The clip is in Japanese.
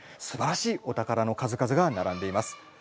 すばらしいおたからの数々がならんでいます。